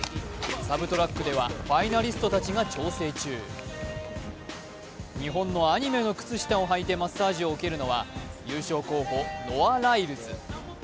サブトラックではファイナリストたちが調整中日本のアニメの靴下を履いてマッサージを受けるのは優勝候補、ノア・ライルズ。